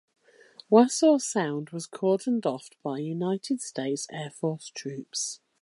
Wassaw Sound was cordoned off by United States Air Force troops.